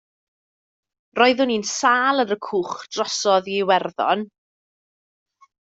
Roeddwn i'n sâl ar y cwch drosodd i Iwerddon.